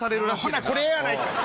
ほなこれやないかい。